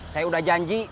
saya udah janji